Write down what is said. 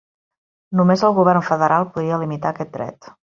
Només el govern federal podia limitar aquest dret.